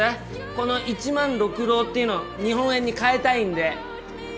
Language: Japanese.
この１０００６郎っていうの日本円に換えたいんで。